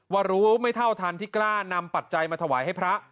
ว่ารู้ไม่เท่าทันที่กล้านำปัจจัยมาถวายให้พระ